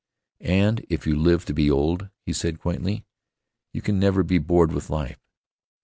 "And if you live to be old," he said quaintly, "you can never be bored with life.